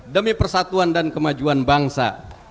demi persatuan dan kemajuan bangsa